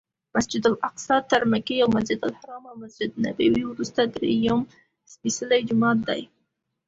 مسجدالاقصی تر مکې او مسجدالحرام او مسجدنبوي وروسته درېیم سپېڅلی جومات دی.